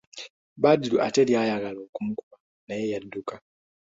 Badru ate ly'ayagala okumukuba naye yadduka.